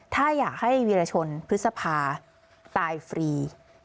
ถ้าอยากให้วิรชนพฤษภาตายฟรี